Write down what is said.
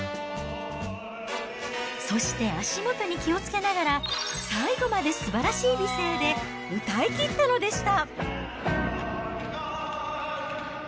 そして足元に気を付けながら、最後まですばらしい美声で歌いきったのでした。